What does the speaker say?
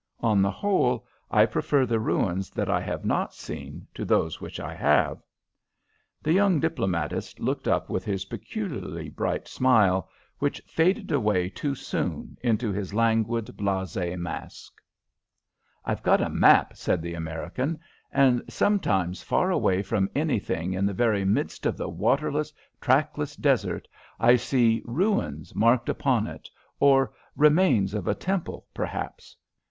On the whole, I prefer the ruins that I have not seen to those which I have." The young diplomatist looked up with his peculiarly bright smile, which faded away too soon into his languid, blasé mask. "I've got a map," said the American, "and sometimes far away from anything in the very midst of the waterless, trackless desert, I see 'ruins' marked upon it or 'remains of a temple,' perhaps.